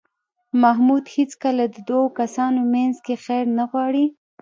محمود هېڅکله د دو کسانو منځ کې خیر نه غواړي.